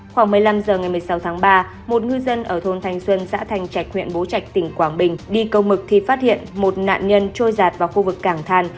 khoảng một mươi năm h ngày một mươi sáu tháng ba một ngư dân ở thôn thành xuân xã thành trạch huyện bố trạch tỉnh quảng bình đi câu mực thì phát hiện một nạn nhân trôi giạt vào khu vực cảng thàn